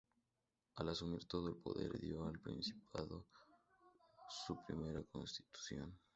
Al asumir todo el poder, dio al principado su primera constitución.